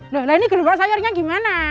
dahlah ini gelombang sayurnya gimana